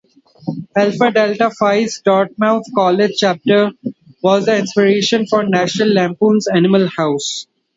Alpha Delta Phi's Dartmouth College chapter was the inspiration for "National Lampoon's Animal House".